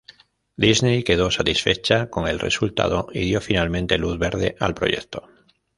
Disney quedó satisfecha con el resultado y dio finalmente luz verde al proyecto.